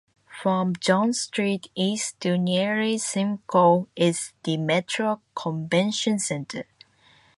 From John Street east to nearly Simcoe is the Metro Convention Centre.